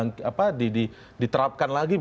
yang mungkin tidak bisa diterapkan lagi